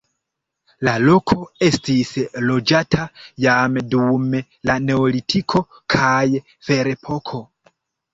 La loko estis loĝata jam dum la neolitiko kaj ferepoko.